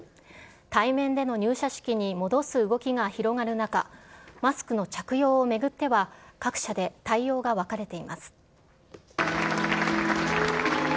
対面での入社式に戻す動きが広がる中、マスクの着用を巡っては、各社で対応が別れています。